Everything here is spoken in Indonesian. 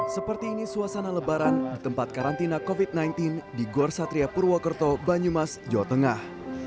seperti ini suasana lebaran di tempat karantina covid sembilan belas di gor satria purwokerto banyumas jawa tengah